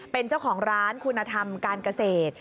เป็นเจ้าของร้านคุณธรรมการเกษตร